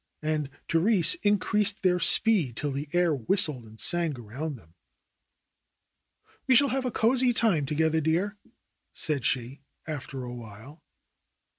And Therese increased their speed till the air whistled and sang around them. ^'We shall have a cozy time together, dear," said she after a while.